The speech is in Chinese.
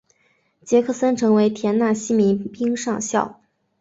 杰克森成为田纳西民兵上校。